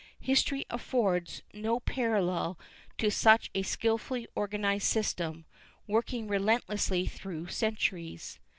History affords no parallel to such a skilfully organized system, working relentlessly through centuries.